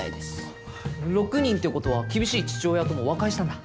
６人って事は厳しい父親とも和解したんだ。